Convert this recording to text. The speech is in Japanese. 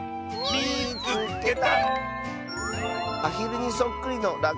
「みいつけた！」。